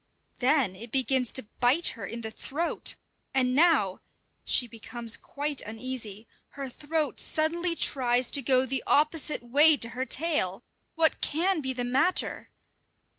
Then it begins to bite her in the throat! And now she becomes quite uneasy her throat suddenly tries to go the opposite way to her tail! What can be the matter?